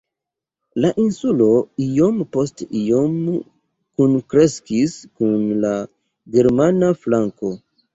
La insulo iom post iom kunkreskis kun la germana flanko.